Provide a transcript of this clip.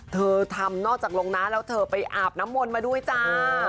เธอทำนอกจากลงนะแล้วเธอไปอาบน้ำมนต์มาด้วยจ้า